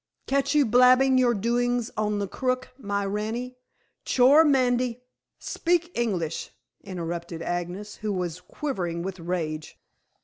"Catch you blabbing your doings on the crook, my rani, Chore mandy " "Speak English," interrupted Agnes, who was quivering with rage.